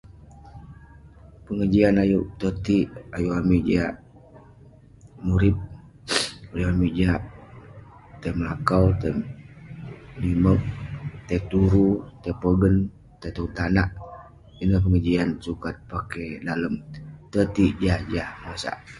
Pengejian ayuk totik, ayuk amik jiak murip, ayuk amik jiak tai melakau, tai menimerk.. tai peturuk tai pogen tai tong tanag, ineh pengejian sukat pakey dalem..totik jah jah bengosak.